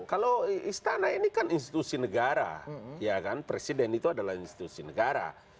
kalau istana ini kan institusi negara presiden itu adalah institusi negara